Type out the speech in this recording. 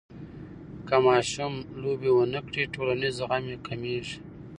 که ماشوم لوبې ونه کړي، ټولنیز زغم یې کمېږي.